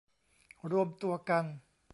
รวมตัวกัน